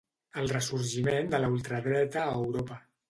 El ressorgiment de la ultradreta a Europa.